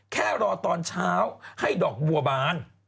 แค่รอตอนเช้าให้ดอกบัวบาน